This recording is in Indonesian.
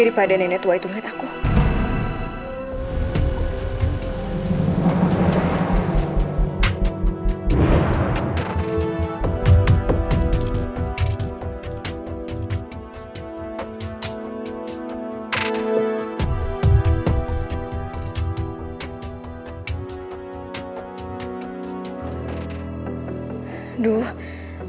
tidak parah nak bagian dulu ah tuan